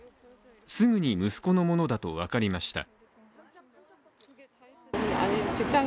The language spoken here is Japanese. すぐに息子のものだと分かりました。